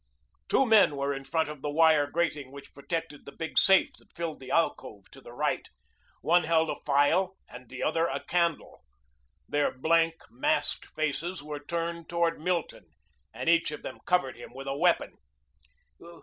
Two men were in front of the wire grating which protected the big safe that filled the alcove to the right. One held a file and the other a candle. Their blank, masked faces were turned toward Milton, and each of them covered him with a weapon.